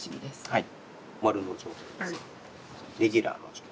はい。